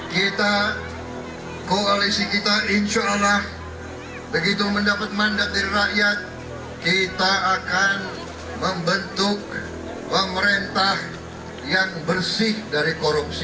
kita koalisi kita insya allah begitu mendapat mandat dari rakyat kita akan membentuk pemerintah yang bersih dari korupsi